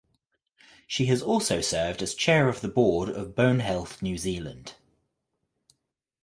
She has also served as chair of the board of Bone Health New Zealand.